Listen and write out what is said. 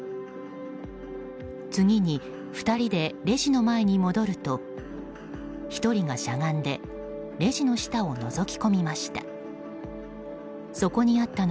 次に２人でレジの前に戻ると１人がしゃがんでレジの下をのぞき込みました。